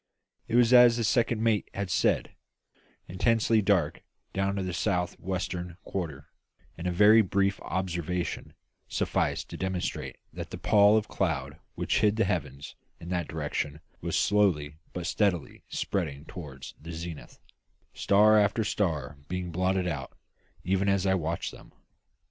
It was, as the second mate had said, intensely dark down in the south western quarter; and a very brief observation sufficed to demonstrate that the pall of cloud which hid the heavens in that direction was slowly but steadily spreading toward the zenith, star after star being blotted out even as I watched them.